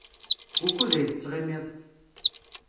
Wukud ay tettɣimiḍ?